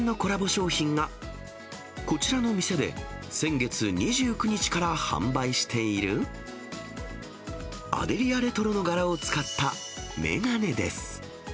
商品が、こちらの店で先月２９日から販売している、アデリアレトロの柄を使った眼鏡です。